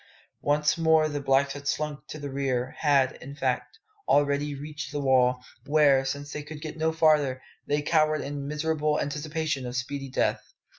Once more the blacks had slunk to the rear had, in fact, already reached the wall, where, since they could get no farther, they cowered in miserable anticipation of speedy death.